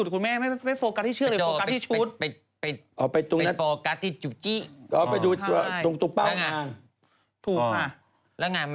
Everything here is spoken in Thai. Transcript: เขากำลังกายอะไรอย่างนี้ไงล่ะ